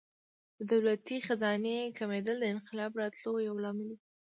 د دولتي خزانې کمېدل د انقلاب راتلو یو لامل و.